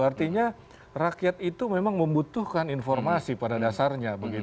artinya rakyat itu memang membutuhkan informasi pada dasarnya